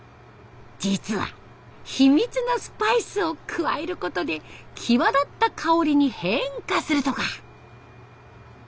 実は秘密のスパイスを加えることで際立った香りに変化するとか。